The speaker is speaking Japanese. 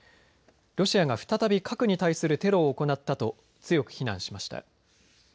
ロシアが再び核に対するテロを行ったと強く非難しました。